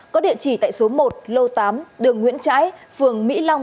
có địa chỉ tại số một lô tám đường nguyễn trãi phường mỹ long